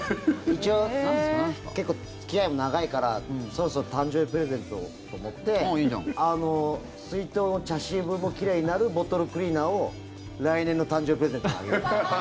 一応、結構、付き合いも長いからそろそろ誕生日プレゼントをと思って水筒の茶渋も奇麗になるボトルクリーナーを来年の誕生日プレゼントにあげようと。